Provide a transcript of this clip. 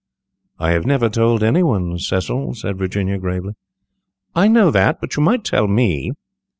"I have never told any one, Cecil," said Virginia, gravely. "I know that, but you might tell me."